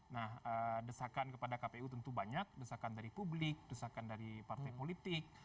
nah desakan kepada kpu tentu banyak desakan dari publik desakan dari partai politik